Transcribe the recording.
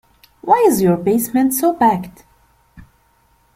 Why is your basement so packed?